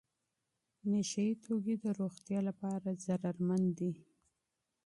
نشه یې توکي د روغتیا لپاره خطرناک دي.